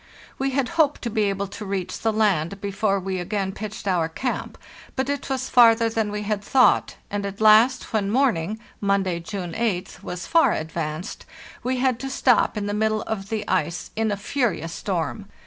We had hoped to be able to reach the land before we again pitched our camp, but it was farther than we had thought, and at last, when morning (Monday, June 8th) was far advanced, we had to stop in the middle of the ice in a furious storm.